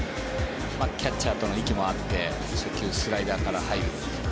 キャッチャーとの息も合って初球、スライダーから入る。